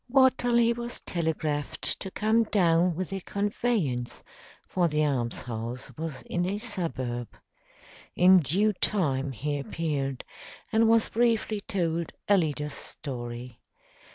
Watterly was telegraphed to come down with a conveyance for the almshouse was in a suburb. In due time he appeared, and was briefly told Alida's story.